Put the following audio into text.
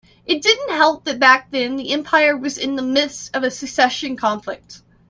It didn't help that back then the empire was in the midst of a succession conflict.